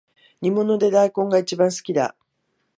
煮物で大根がいちばん好きだ